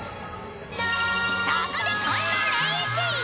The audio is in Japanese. そこでこんなネンイチ！